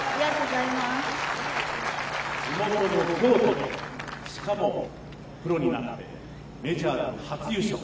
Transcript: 地元の京都で、しかもプロになってメジャーで初優勝。